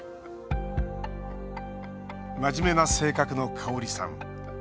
真面目な性格の、かおりさん。